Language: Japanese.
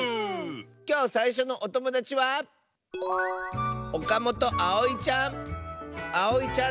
きょうさいしょのおともだちはあおいちゃんの。